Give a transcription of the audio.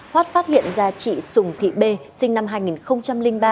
hoát phát hiện ra chị sùng thị bê sinh năm hai nghìn ba